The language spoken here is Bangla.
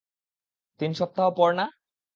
তিন সপ্তাহ পর না?